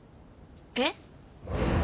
えっ？